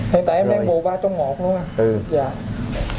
hiện tại em đang bù ba trong một luôn ha